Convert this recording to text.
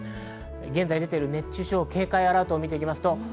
現在出ている、熱中症警戒アラートを見ます。